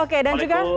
oke dan juga